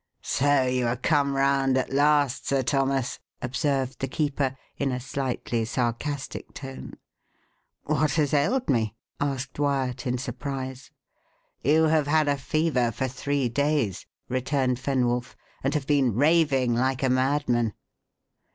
"So you are come round at last, Sir Thomas," observed the keeper, in a slightly sarcastic tone. "What has ailed me?" asked Wyat, in surprise. "You have had a fever for three days," returned Fenwolf, "and have been raving like a madman."